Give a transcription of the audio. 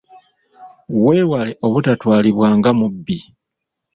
Weewale obutatwalibwa nga mubbi.